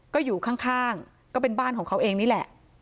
ก็อยู่ข้างก็เป็นบ้านของเขาเองนี่แหละ